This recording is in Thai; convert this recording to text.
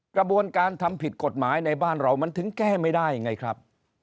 กระบวนการทำผิดกฎหมายในบ้านเรามันถึงแก้ไม่ได้ไงครับ